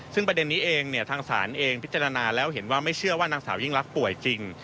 ซึ่งประเด็นนี้เองทางศาลเองพิจารณาแล้วเห็นว่าไม่เชื่อว่านางสาวยิ่งรักป่วยจริง